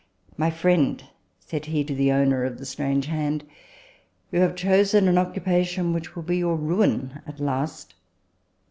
" My friend," said he to the owner of the strange hand, " you have chosen an occupation which will be your ruin at last."